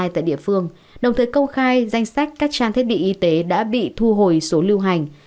tại địa phương đồng thời công khai danh sách các trang thiết bị y tế đã bị thu hồi số lưu hành